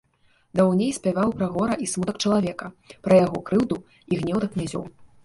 Даўней спяваў пра гора і смутак чалавека, пра яго крыўду і гнеў да князёў.